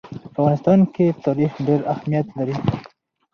په افغانستان کې تاریخ ډېر اهمیت لري.